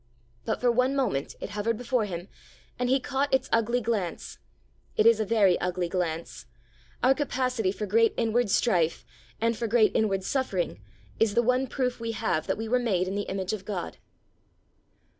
But for one moment it hovered before Him, and He caught its ugly glance. It is a very ugly glance. Our capacity for great inward strife and for great inward suffering is the one proof we have that we were made in the image of God.